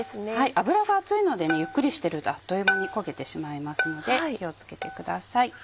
油が熱いのでゆっくりしてるとあっという間に焦げてしまいますので気を付けてください。